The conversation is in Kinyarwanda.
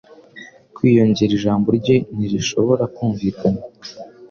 kwiyongera ijambo rye ntirishobora kumvikana